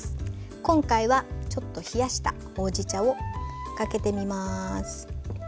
今回はちょっと冷やしたほうじ茶をかけてみます。